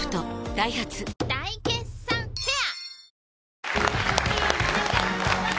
ダイハツ大決算フェア